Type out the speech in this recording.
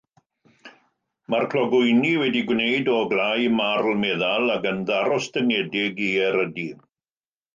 Mae'r clogwyni wedi eu gwneud o glai marl meddal ac yn ddarostyngedig i erydu.